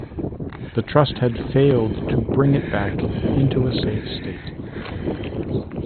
The trust had failed to bring it back into a safe state.